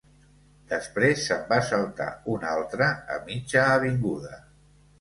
Després se'n va saltar un altre, a mitja avinguda.